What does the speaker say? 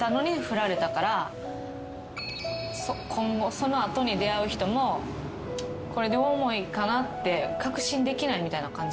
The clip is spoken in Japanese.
その後に出会う人もこれ両思いかなって確信できないみたいな感じか。